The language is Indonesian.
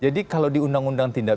jadi kalau di undang undang tindak